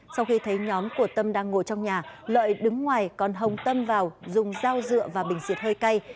sau khi thấy nhóm của tâm đang ngồi trong nhà lợi đứng ngoài còn hồng tâm vào dùng dao dựa và bình xịt hơi cay